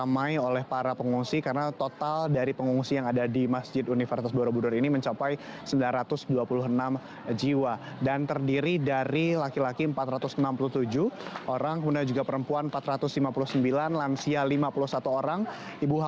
boleh ini mah